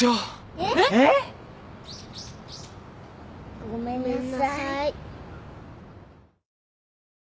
えっ？ごめんなさい。